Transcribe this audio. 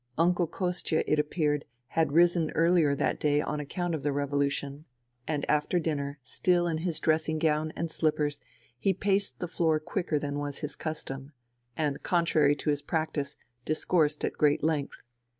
Uncle Kostia, it appeared, had risen earlier that day on account of the revolution ; and after dinner, still in his dressing gown and slippers, he paced the floor quicker than was his custom, and, contrary to his practice, discoursed at great length.